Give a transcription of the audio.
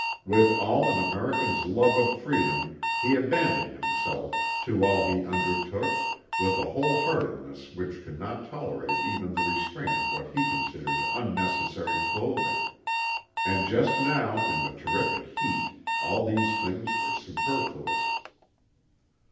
With all an American's love of freedom he abandoned himself to all he undertook with a whole heartedness which could not tolerate even the restraint of what he considered unnecessary clothing. And just now, in the terrific heat, all these things were superfluous.